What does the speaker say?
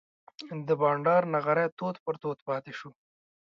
د بانډار نغری تود پر تود پاتې شو.